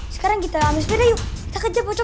ini kan ini kan pak tamrin pak rete